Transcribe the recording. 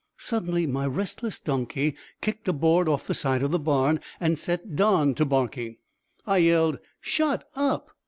Suddenly my restless donkey kicked a board off the side of the barn and set Don to barking. I yelled, "Shut up!"